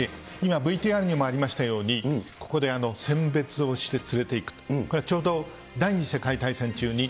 今、ＶＴＲにもありましたように、ここで選別をして連れていく、これはちょうど第２次世界大戦中に、